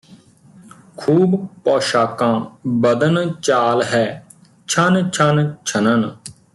ਖੂਬ ਪੌਸ਼ਾਕਾਂ ਬਦਨ ਚਾਲ ਹੈ ਛਨ ਛਨ ਛਨਨ